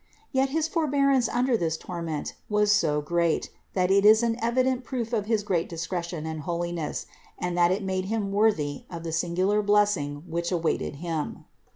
Yet his forebearance under this torment was so great that it is an evident proof of his great discretion and holiness, and that it made him worthy of the singular blessing which awaited him.